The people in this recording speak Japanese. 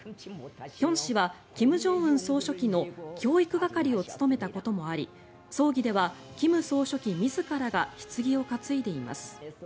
ヒョン氏は、金正恩総書記の教育係を務めたこともあり葬儀では金総書記自らがひつぎを担いでいます。